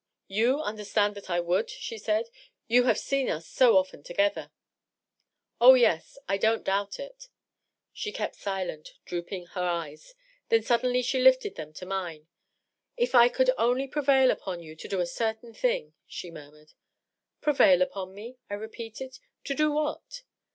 "You understand that I would!" she said. " You have seen us so ofl«n together." "Oh, yes, I don't doubt it." She kept silent, drooping her eyes ; then suddenly she lifted them to mine. " If I could only prevail upon you to do a certain thing !" she murmured. " Prevail upon me ?" I repeated. " To do what